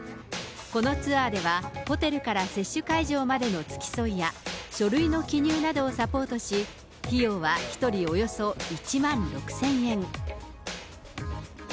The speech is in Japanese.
このツアーでは、ホテルから接種会場までの付き添いや書類の記入などをサポートし、費用は１人およそ１万６０００円。